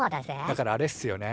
だからあれっすよね。